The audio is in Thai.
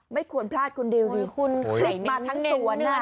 ไม่ควรพลาดคุณดิวดิ